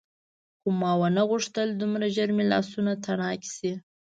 خو ما ونه غوښتل دومره ژر مې لاسونه تڼاکي شي.